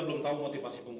meme cucu sayang